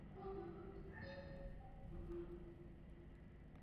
jeshi la Jamuhuri ya Demokrasia ya Kongo limedai kwamba Rwanda inawaunga mkono waasi hao